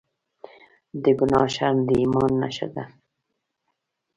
د ګناه شرم د ایمان نښه ده.